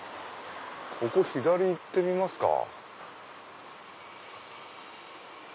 ここ左行ってみますか。